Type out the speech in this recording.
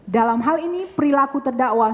dalam hal ini perilaku terdakwa